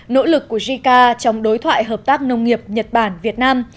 nỗ lực của jica trong đối thoại hợp tác nông nghiệp nhật bản việt nam